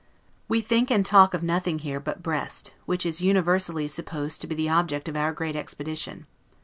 We think and talk of nothing here but Brest, which is universally supposed to be the object of our great expedition.